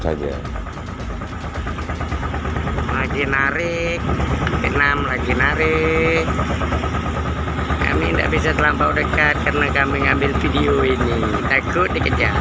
lagi narik ke enam lagi narik kami tidak bisa terlampau dekat karena kami mengambil video ini takut dikejar